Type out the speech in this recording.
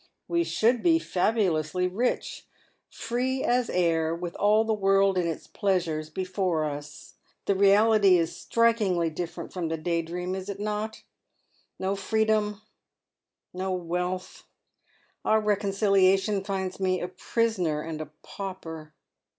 We should be fabulously rich, free rfs air. with all the world and its pleasures before us. The reality is strikingly differct i from the day dream, is it not ? No freedom, no wealtli. Our reconciliation finds me a prisoner and a pauper."